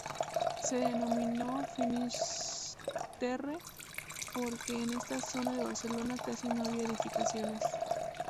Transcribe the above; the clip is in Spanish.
Se denominó Finisterre porque en esta zona de Barcelona casi no había edificaciones.